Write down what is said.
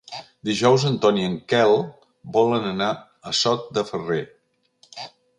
Dijous en Ton i en Quel volen anar a Sot de Ferrer.